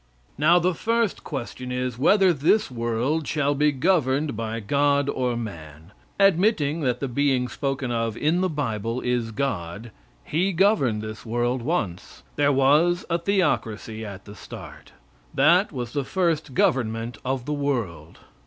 Now, the first question is, whether this world shall be governed by God or man. Admitting that the being spoken of in the bible is God, He governed this world once. There was a theocracy at the start. That was the first government of the world.